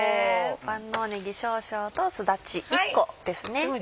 万能ねぎ少々とすだち１個ですね。